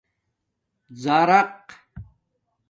زَرق